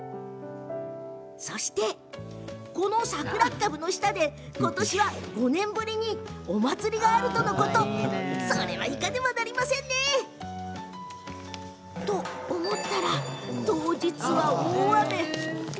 そしてこの、さくらっかぶの下で今年は５年ぶりにお祭りがあるとのことなんですがこれは行かなければなりませんよね！と思ったら、当日は大雨。